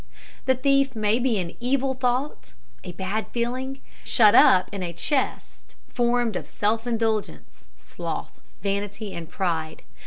The thief may be an evil thought, a bad feeling, shut up in a chest formed of self indulgence, sloth, vanity, pride.